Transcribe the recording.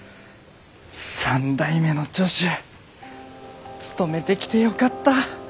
３代目の助手務めてきてよかった！